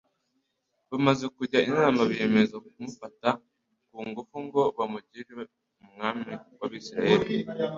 Bamaze kujya inama biyemeza kumufata ku ngufu ngo bamugire Umwami w'abisiraeli.